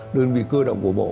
đơn vị cơ động của bộ